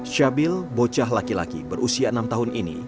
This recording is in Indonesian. syabil bocah laki laki berusia enam tahun ini